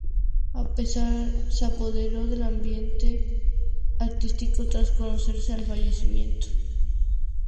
El pesar se apoderó del ambiente artístico tras conocerse el fallecimiento.